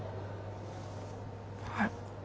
はい。